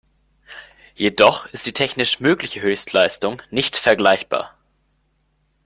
Jedoch ist die technisch mögliche Höchstleistung nicht vergleichbar.